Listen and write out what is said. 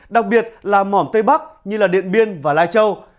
đặc biệt là mỏn tây bắc như điện biên và lai châu